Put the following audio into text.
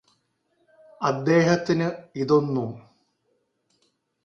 അദ്ദേഹത്തിന് ഇതൊന്നും